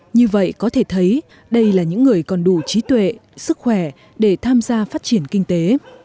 như vậy có thể thấy đây là những người còn đủ trí tuệ sức khỏe để tham gia phát triển kinh tế